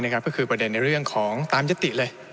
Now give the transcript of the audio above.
ก็คือประเด็นในเรื่องของตามยติเลย